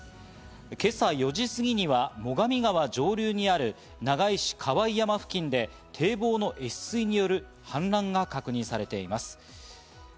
今朝４時過ぎには最上川上流にある長井市河井山付近で堤防の越水による氾濫が確認されています。